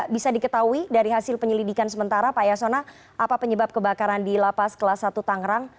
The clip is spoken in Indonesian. bisa diketahui dari hasil penyelidikan sementara pak yasona apa penyebab kebakaran di lapas kelas satu tangerang